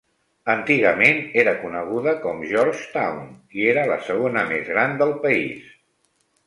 Antigament era coneguda com Georgetown i era la segona més gran del país.